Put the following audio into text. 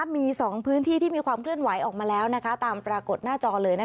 มี๒พื้นที่ที่มีความเคลื่อนไหวออกมาแล้วตามปรากฏหน้าจอเลย